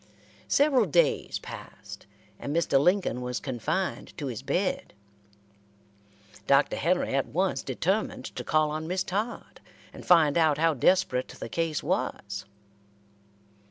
Several days passed, and Mr. Lincoln was confined to his bed. Dr. Henry at once determined to call on Miss Todd, and find out how desperate the case was.